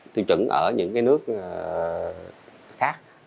tiêu chuẩn ở những cái nước khác